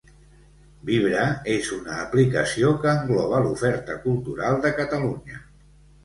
Vibra és una aplicació que engloba l'oferta cultural de Catalunya.